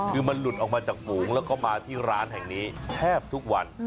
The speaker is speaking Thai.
คือมันหลุดออกมาจากฝูงแล้วก็มาที่ร้านแห่งนี้แทบทุกวัน